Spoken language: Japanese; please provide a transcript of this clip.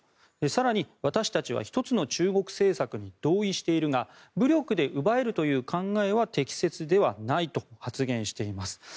更に、私たちは一つの中国政策に同意しているが武力で奪えるという考えは適切ではないと発言しています。